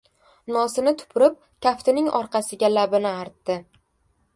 Nosini tupurib, kaftining orqasiga labini artdi.